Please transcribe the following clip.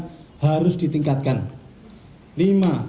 lima permukiman perlu ditempatkan pada daerah yang aman